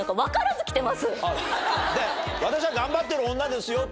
私は頑張ってる女ですよと。